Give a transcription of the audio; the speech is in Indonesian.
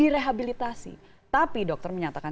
rehabilitasi tapi dokter menyatakan